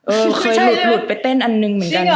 เคยหลุดไปเต้นอันหนึ่งเหมือนกัน